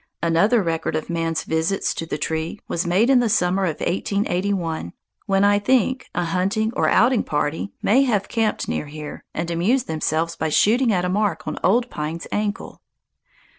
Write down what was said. Another record of man's visits to the tree was made in the summer of 1881, when I think a hunting or outing party may have camped near here and amused themselves by shooting at a mark on Old Pine's ankle.